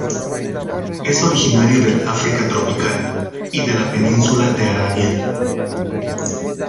Es originario del África tropical y de la península de Arabia.